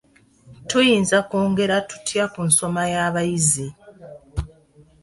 Tuyinza kwongera tutya ku nsoma y'abayizi?